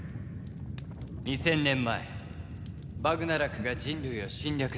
２０００年前バグナラクが人類を侵略したからだ。